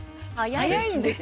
早いんですよ。